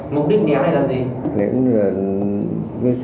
mục đích nhà này là gì